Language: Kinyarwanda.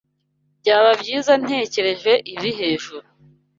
Byaba byiza ntekereje ibi hejuru.